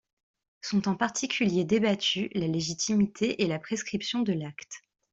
Sont en particulier débattues la légitimité et la prescription de l'acte.